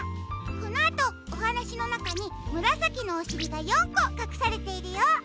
このあとおはなしのなかにむらさきのおしりが４こかくされているよ。